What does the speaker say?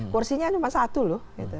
kursinya cuma satu loh